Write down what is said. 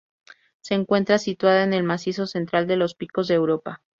Se encuentra situada en el macizo central de los Picos de Europa.